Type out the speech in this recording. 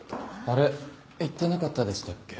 あれ言ってなかったでしたっけ？